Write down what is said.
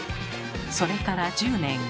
それから１０年。